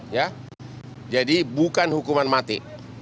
ya jadi bukan hukuman mati